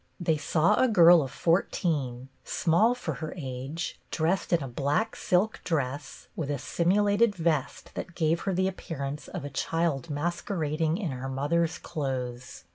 They saw a girl of fourteen, small for her age, dressed in a black silk dress with a simulated vest that gave her the appearance of a child masquerading in her mother's clothes.